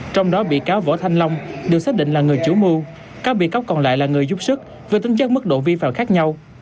trong đó bị cáo võ thanh long được xác định là người chủ mưu các bị cáo còn lại là người giúp sức với tính chất mức độ vi phạm khác nhau